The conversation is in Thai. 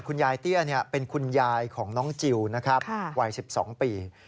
คุณยายเตี้ยเป็นคุณยายของน้องจิลวัย๑๒ปี